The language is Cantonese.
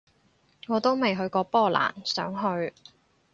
我都未去過波蘭，想去